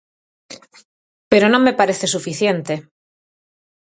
Pero non me parece suficiente.